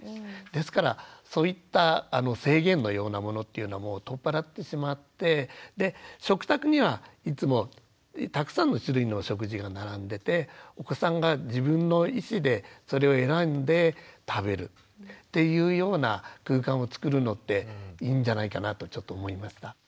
ですからそういった制限のようなものっていうのはもう取っ払ってしまってで食卓にはいつもたくさんの種類のお食事が並んでてお子さんが自分の意思でそれを選んで食べるというような空間をつくるのっていいんじゃないかなとちょっと思いました。